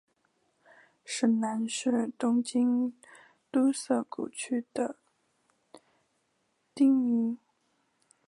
神南是东京都涩谷区的町名。